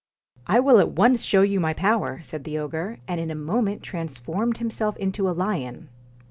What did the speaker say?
' I will at once show you my power,' said the ogre ; and in a moment transformed himself into a lion.